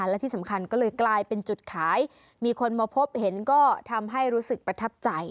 และที่สำคัญก็เลยกลายเป็นจุดขายมีคนมาพบเห็นก็ทำให้รู้สึกประทับใจ